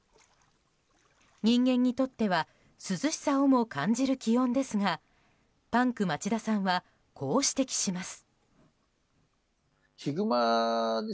人間にとっては涼しさをも感じる気温ですがパンク町田さんはこう指摘します。